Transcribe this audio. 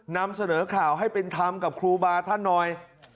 นำเสนอข่าวให้เป็นธรรมกับครูบาท่านหน่อย